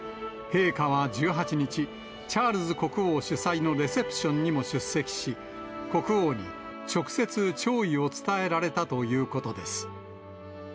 陛下は１８日、チャールズ国王主催のレセプションにも出席し、国王に、直接弔意を伝えられたということです。